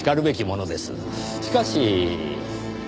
しかし。